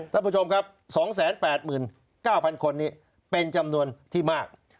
ท่านผู้ชมครับ๒๘๙๐๐คนนี้เป็นจำนวนที่มาก